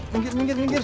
minggir minggir minggir